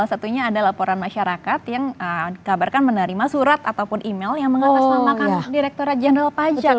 satunya ada laporan masyarakat yang dikabarkan menerima surat ataupun email yang mengatasnamakan direkturat jenderal pajak